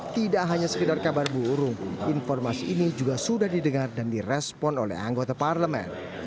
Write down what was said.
tidak hanya sekedar kabar burung informasi ini juga sudah didengar dan direspon oleh anggota parlemen